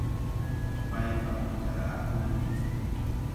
Payqa hitaraakunmi.